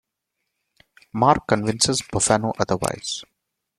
Mark convinces Boffano otherwise.